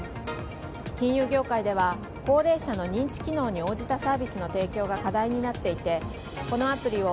金融業界では高齢者の認知機能に応じたサービスの提供が話題になっていて、このアプリを